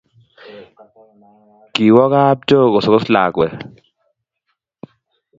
Kiwoo kapchoo kusokos lakwet